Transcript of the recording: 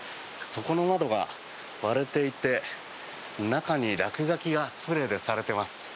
そこの窓が割れていて中に落書きがスプレーでされています。